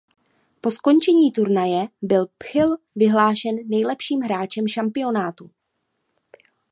Po skončení turnaje byl Phil vyhlášen nejlepším hráčem šampionátu.